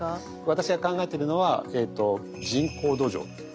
私が考えてるのは人工ですか。